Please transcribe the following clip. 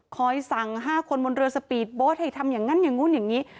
คอยสั่ง๕คนมนเรือสปีดบอตให้ทำยังไงอย่างอ้นนั้นอย่างนี้